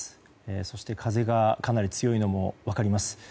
そして風がかなり強いのも分かります。